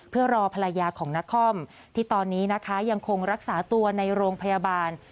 เพื่อรอภรรยาของนครที่ตอนนี้นะคะยังคงรักษาตัวในโรงพยาบาล